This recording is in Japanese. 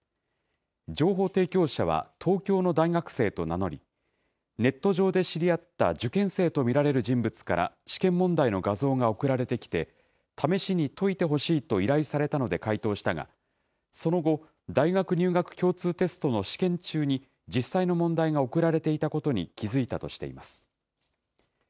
情報提供者は東京の大学生と名乗り、ネット上で知り合った受験生と見られる人物から試験問題の画像が送られてきて、試しに解いてほしいと依頼されたので解答したが、その後、大学入学共通テストの試験中に、実際の問題が送られていたことに気付いたとしています。